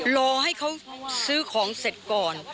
รอให้เขาซื้อของเสร็จก่อน